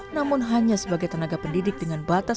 namun hanya sebagai tenaga pendidik dengan batas